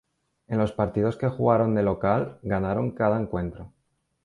En los partidos que jugaron de local, ganaron cada encuentro.